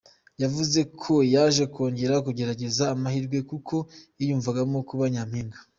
Yavuze ko yaje kongera kugerageza amahirwe kuko ’yiyumvamo kuba Nyampinga’.